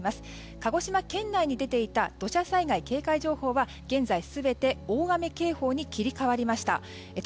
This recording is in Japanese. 鹿児島県内に出ていた土砂災害警戒情報は現在、全て大雨警報に切り替わりました。